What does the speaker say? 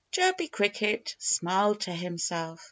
Chirpy Cricket smiled to himself.